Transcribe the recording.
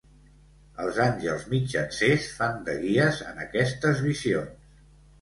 Els àngels mitjancers fan de guies en aquestes visions.